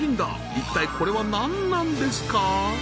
一体これは何なんですか？